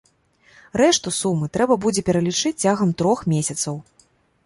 Рэшту сумы трэба будзе пералічыць цягам трох месяцаў.